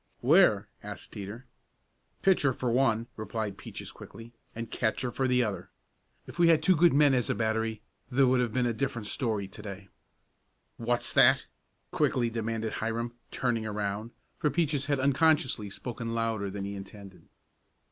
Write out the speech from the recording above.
"Where?" asked Teeter. "Pitcher for one," replied Peaches quickly, "and catcher for the other. If we had two good men as a battery there would have been a different story to day." "What's that?" quickly demanded Hiram, turning around, for Peaches had unconsciously spoken louder than he intended.